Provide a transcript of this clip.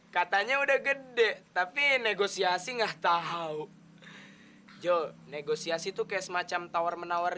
katanya udah gede tapi negosiasi enggak tahu jo negosiasi tuh kayak semacam tawar menawar